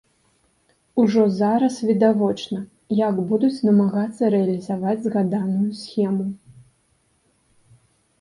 Ужо зараз відавочна, як будуць намагацца рэалізаваць згаданую схему.